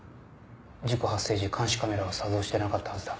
事故発生時監視カメラは作動してなかったはずだ。